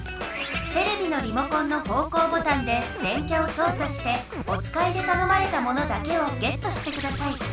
テレビのリモコンの方向ボタンで電キャをそうさしておつかいでたのまれたものだけをゲットしてください。